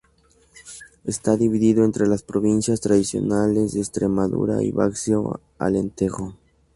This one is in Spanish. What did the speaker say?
Está dividido entre las provincias tradicionales de Estremadura y Baixo Alentejo.